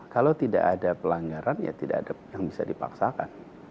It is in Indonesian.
kalau tidak ada pelanggaran ya tidak ada yang bisa dipaksakan